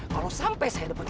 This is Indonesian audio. kalau sampai saya dapat